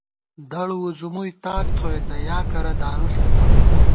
دڑ وُځُمُوئی ، تاک تھوئیتہ یا کرہ دارُو ݪېتہ